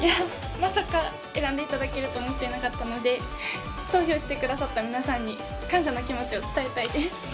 まさか選んでいただけると思っていなかったので、投票してくださった皆さんに感謝の気持ちを伝えたいです。